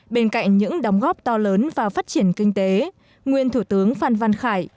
bên cạnh những đóng góp to lớn vào phát triển kinh tế nguyên thủ tướng phan văn khải